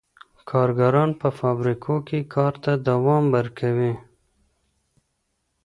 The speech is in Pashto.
کارګران په فابریکو کي کار ته دوام ورکوي.